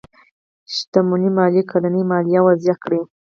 شتمنيو ماليې کلنۍ ماليه وضعه کړي.